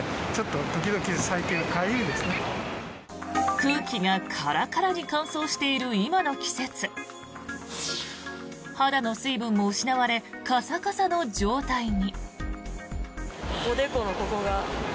空気がカラカラに乾燥している今の季節肌の水分も失われカサカサの状態に。